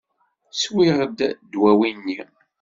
Swiɣ ddwawi-nni.